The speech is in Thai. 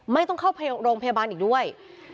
ไม่ต้องเข้าโรงพยาบาลอีกด้วย